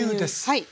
はい。